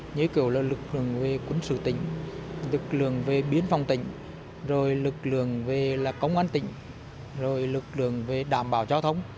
như lực lượng quân sự tỉnh lực lượng biến phòng tỉnh lực lượng công an tỉnh lực lượng đảm bảo trò thống